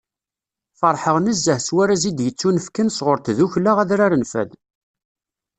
Feṛḥeɣ nezzeh s warraz i d-yettunefken sɣur tddukkla Adrar n Fad.